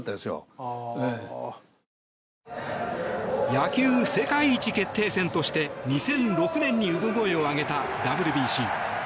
野球世界一決定戦として２００６年に産声を上げたＷＢＣ。